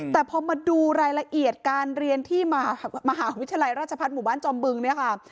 แต่พอมาดูรายละเอียดการเรียนที่มหาวิทยาลัยราชพัฒน์หมู่บ้านจอมบึงเนี่ยค่ะ